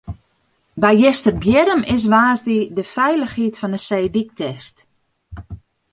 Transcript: By Easterbierrum is woansdei de feilichheid fan de seedyk test.